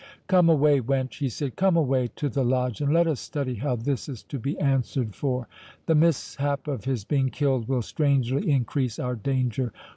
"Come away, wench," he said, "come away to the Lodge, and let us study how this is to be answered for—the mishap of his being killed will strangely increase our danger.